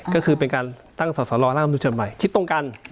ก็คือเป็นการตั้งสอสรร่างมนุษย์ชนใหม่คิดตรงกัน